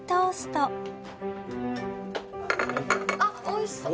あっおいしそう。